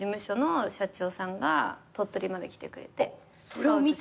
それを見て？